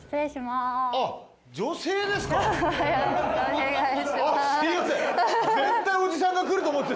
すみません。